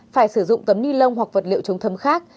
phải sử dụng tấm ni lông hoặc vật liệu chống thấm khác